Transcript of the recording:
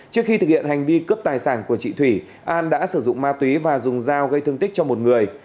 trước khi thực hiện hành vi cướp tài sản của chị thủy an đã sử dụng ma túy và dùng dao gây thương tích cho một người